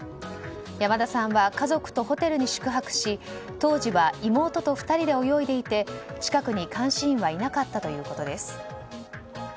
山田さんは家族とホテルに宿泊し当時は妹と２人で泳いでいて近くに監視員はいなかったということです。